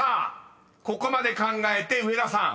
［ここまで考えて上田さん］